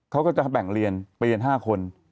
เขาก็จะแบ่งเรียนไปเรียน๕คน